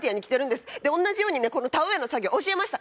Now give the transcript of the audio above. で同じようにねこの田植えの作業教えました。